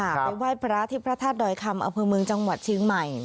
ไปไหว้พระอาทิบพระธาตุดอยคำอเมืองจังหวัดชีวิตใหม่